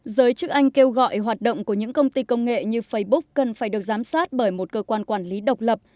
giới chức anh kêu gọi hoạt động của những công ty công nghệ như facebook cần phải được giám sát bởi một cơ quan quản lý độc lập